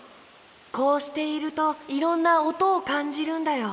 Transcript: こうしているといろんなおとをかんじるんだよ。